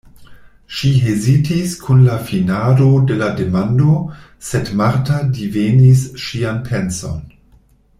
Ŝi hezitis kun la finado de la demando, sed Marta divenis ŝian penson.